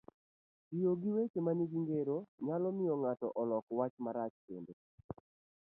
Tiyo gi weche manigi ngero nyalo miyo ng'ato lok wach marach, kendo